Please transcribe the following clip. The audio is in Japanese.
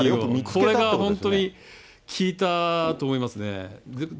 これが本当に、効いたと思いますね。